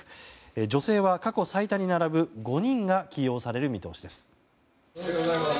女性は過去最多に並ぶ５人が起用される見通しです。